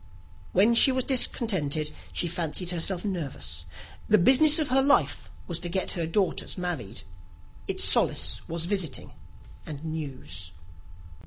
When she was discontented, she fancied herself nervous. The business of her life was to get her daughters married: its solace was visiting and news.